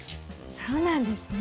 そうなんですね。